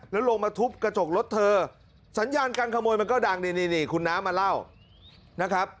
แล้วลงมาทุบกระจกรถเถอะสัญญากันขโมยมันก็ดังคุณน้ำมาเล่า